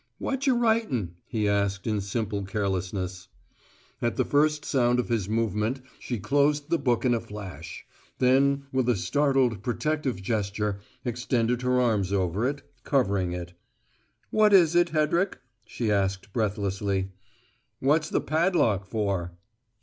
"Whatch' writin'?" he asked in simple carelessness. At the first sound of his movement she closed the book in a flash; then, with a startled, protective gesture, extended her arms over it, covering it. "What is it, Hedrick?" she asked, breathlessly. "What's the padlock for?"